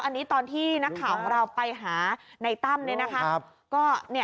อันนี้ตอนที่นักข่าวของเราไปหาในตั้มเนี่ยนะคะ